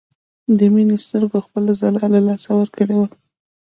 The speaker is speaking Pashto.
د مينې سترګو خپله ځلا له لاسه ورکړې وه